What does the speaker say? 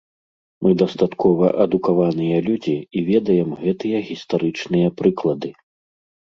Мы дастаткова адукаваныя людзі і ведаем гэтыя гістарычныя прыклады.